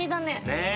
ねえ。